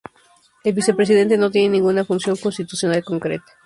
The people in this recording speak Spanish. El vicepresidente no tiene ninguna función constitucional concreta.